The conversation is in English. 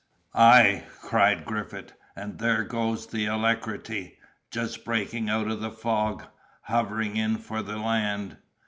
"Ay," cried Griffith, "and there goes the Alacrity, just breaking out of the fog, hovering in for the land!"